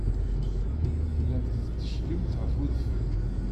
Tellamt tetteccgemt ɣef wedfel.